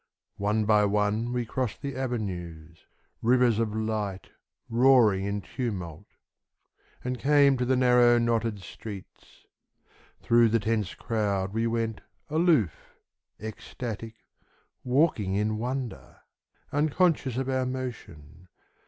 One by one we crossed the avenues, Rivers of light, roaring in tumult, And came to the narrow, knotted streets. Thru the tense crowd We went aloof, ecstatic, walking in wonder, Unconscious of our motion.